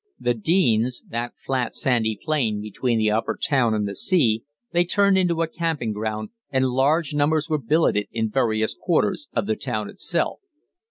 The Denes, that flat, sandy plain between the upper town and the sea, they turned into a camping ground, and large numbers were billeted in various quarters of the town itself.